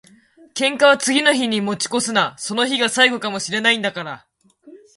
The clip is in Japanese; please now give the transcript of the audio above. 喧嘩は次の日に持ち越すな。その日が最後かも知れないんだから。